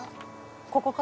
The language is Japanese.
ここか？